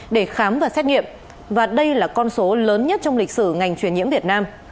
để khám và xét nghiệm và đây là con số lớn nhất trong lịch sử ngành truyền nhiễm việt nam